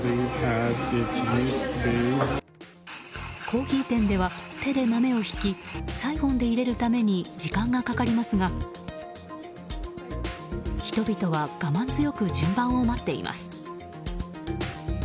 コーヒー店では、手で豆をひきサイフォンで入れるために時間がかかりますが人々は、我慢強く順番を待っています。